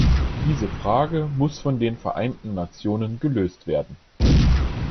Diese Frage muss von den Vereinten Nationen gelöst werden.